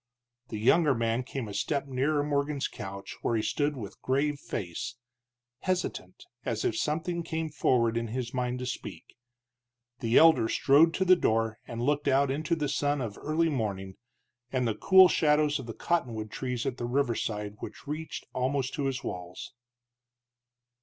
The younger man came a step nearer Morgan's couch, where he stood with grave face, hesitant, as if something came forward in his mind to speak. The elder strode to the door and looked out into the sun of early morning, and the cool shadows of the cottonwood trees at the riverside which reached almost to his walls.